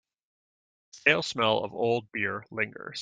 The stale smell of old beer lingers.